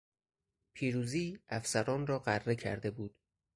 پیروزی افسران را غره کرده بود.